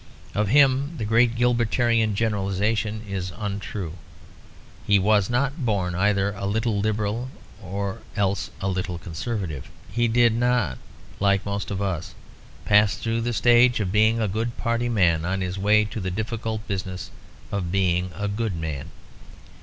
Of him the great Gilbertian generalisation is untrue; he was not born either a little Liberal or else a little Conservative. He did not, like most of us, pass through the stage of being a good party man on his way to the difficult business of being a good man.